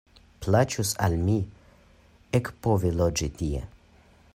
Plaĉus al mi ekpovi loĝi tie.